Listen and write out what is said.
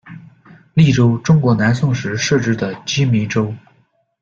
利州，中国南宋时设置的羁縻州。